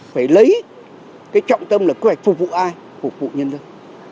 phải lấy cái trọng tâm là quy hoạch phục vụ ai phục vụ nhân dân